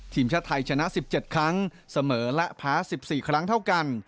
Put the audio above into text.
ทีมชาติไทยชนะ๑๗ครั้งเสมอและแพ้๑๔ครั้งเท่ากัน